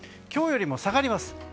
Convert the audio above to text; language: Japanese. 今日よりも下がります。